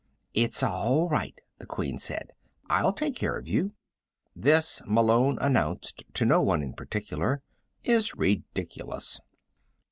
"It's all right," the Queen said. "I'll take care of you." "This," Malone announced to no one in particular, "is ridiculous."